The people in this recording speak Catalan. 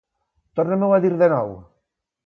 Torna-m'ho a dir de nou.